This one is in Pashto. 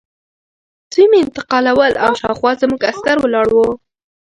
دوی مې انتقالول او شاوخوا زموږ عسکر ولاړ وو